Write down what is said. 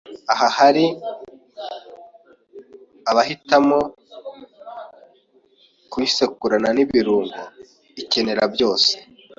aha, hari abahitamo kuyisekurana n’ibirungo ikenera byose